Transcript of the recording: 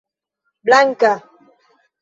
blanka